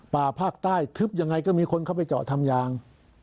ป่าภาคใต้ทึบยังไงก็มีคนเข้าไปเจาะทำยาง